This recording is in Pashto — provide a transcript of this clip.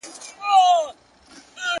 د هندوستان نجوني لولي بند به دي کړینه!.